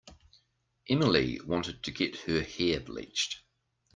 Emily wants to get her hair bleached.